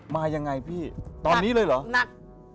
มายังไงพี่ตอนนี้เลยเหรอหนัก